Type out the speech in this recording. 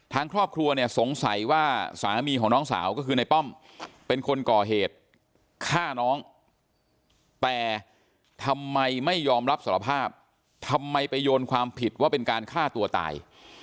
ทางครอบครัวเนี่ยสงสัยว่าสามีของน้องสาวก็คือในป้อมเป็นคนก่อเหตุฆ่าน้องแต่ทำไมไม่ยอมรับสารภาพทำไมไปโยนความผิดว่าเป็นการฆ่าตัวตาย